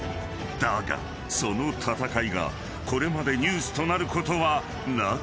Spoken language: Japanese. ［だがその闘いがこれまでニュースとなることはなかった］